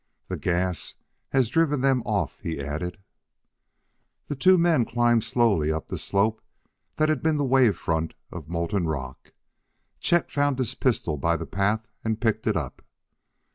"The gas has driven them off," he added. The two men climbed slowly up the slope that had been the wave front of molten rock. Chet found his pistol by the path and picked it up.